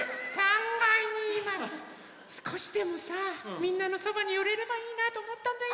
すこしでもさみんなのそばによれればいいなとおもったんだよ。